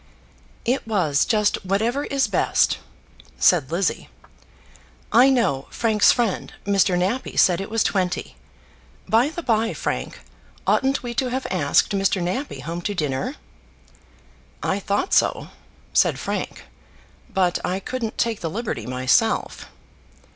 "It was just whatever is best," said Lizzie. "I know Frank's friend, Mr. Nappie, said it was twenty. By the bye, Frank, oughtn't we to have asked Mr. Nappie home to dinner?" "I thought so," said Frank; "but I couldn't take the liberty myself."